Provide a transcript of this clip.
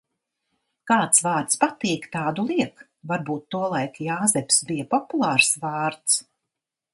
Kāds vārds patīk – tādu liek. Varbūt tolaik Jāzeps bija populārs vārds.